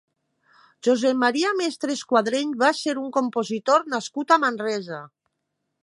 Josep Maria Mestres Quadreny va ser un compositor nascut a Manresa.